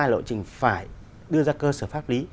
lộ trình phải đưa ra cơ sở pháp lý